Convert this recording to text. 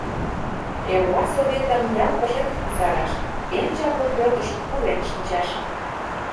Эрлак Советым ял покшеке кусараш, эн чапле пӧртыш пурен шинчаш.